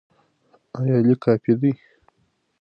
ایا لیک کافي دی؟